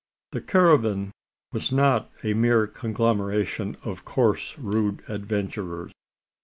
The caravan was not a mere conglomeration of coarse rude adventurers.